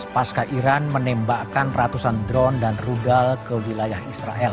pasca iran menembakkan ratusan drone dan rudal ke wilayah israel